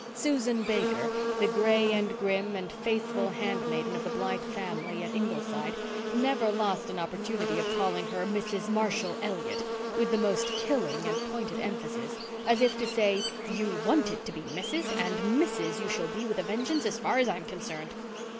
Susan Baker, the gray and grim and faithful handmaiden of the Blythe family at Ingleside, never lost an opportunity of calling her "Mrs. Marshall Elliott," with the most killing and pointed emphasis, as if to say "You wanted to be Mrs. and Mrs. you shall be with a vengeance as far as I am concerned."